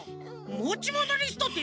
もちものリストって